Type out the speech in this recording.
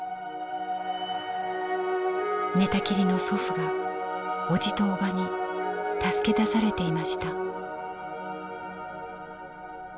寝たきりの祖父がおじとおばに助け出されていました」。